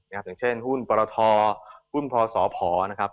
อย่างเช่นหุ้นปรทหุ้นพศพนะครับ